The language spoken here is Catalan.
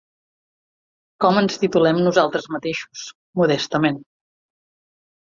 Com ens titulem nosaltres mateixos, modestament.